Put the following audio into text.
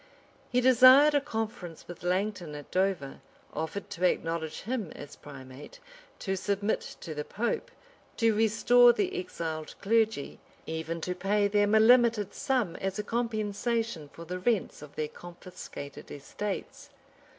He desired a conference with Langton at Dover; offered to acknowledge him as primate, to submit to the pope, to restore the exiled clergy, even to pay them a limited sum as a compensation for the rents of their confiscated estates.